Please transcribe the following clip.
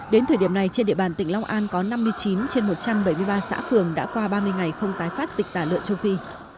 đến thời điểm này trên địa bàn tỉnh long an có năm mươi chín trên một trăm bảy mươi ba xã phường đã qua ba mươi ngày không tái phát dịch tả lợn châu phi